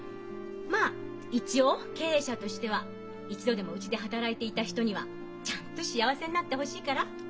まあ一応経営者としては一度でもうちで働いていた人にはちゃんと幸せになってほしいから。